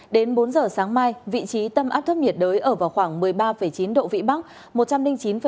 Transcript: đến bốn giờ sáng mai vị trí tâm áp thấp nhiệt đới ở vào khoảng một mươi ba chín độ vĩ bắc